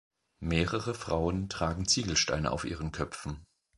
Mehrere Frauen tragen Ziegelsteine auf ihren Köpfen.